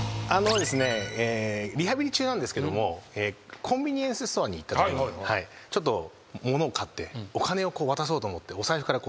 リハビリ中なんですけどもコンビニエンスストアに行ったときに物を買ってお金を渡そうと思って。